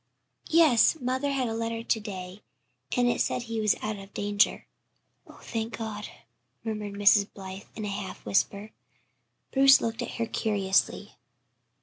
"Yes. Mother had a letter to day, and it said he was out of danger." "Oh, thank God," murmured Mrs. Blythe, in a half whisper. Bruce looked at her curiously.